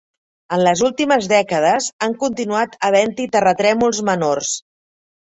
En les últimes dècades han continuat havent-hi terratrèmols menors.